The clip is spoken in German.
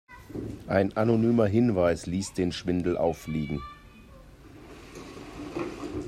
Ein anonymer Hinweis ließ den Schwindel auffliegen.